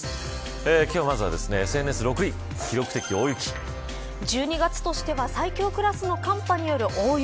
今日まずは１２月としては最強クラスの寒波による大雪。